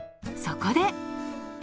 そこで。